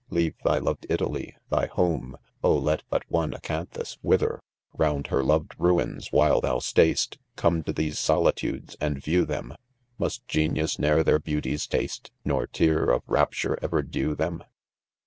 182 IDOBfEN* leave thf loved Italy, thy home— Oh I let but one acanthus wither, Round her loved rains, while thou stay J st,—» Gome to these solitudes, and view them ; Must genius ne'er their beauties taste ?— JN T or tear of rapture ever dew them